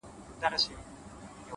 چا ویل دا چي! ژوندون آسان دی!